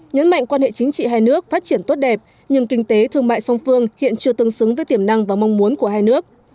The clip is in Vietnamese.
nhấn mạnh quan hệ chính trị hai nước phát triển tốt đẹp nhưng kinh tế thương mại song phương hiện chưa tương xứng với tiềm năng và mong muốn của hai nước